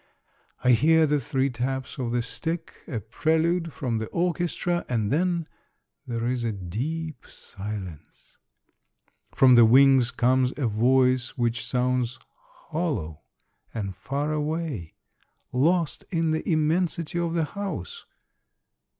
I hear the three taps of the stick, a prelude from the orchestra, and then there is a deep silence. From the wings comes a voice which sounds hollow and far away, lost in the im mensity of the house.